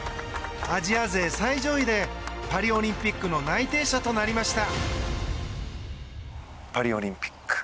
アジア勢最上位でパリオリンピックの内定者となりました。